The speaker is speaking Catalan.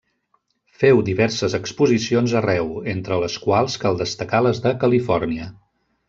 Féu diverses exposicions arreu, entre les quals cal destacar les de Califòrnia.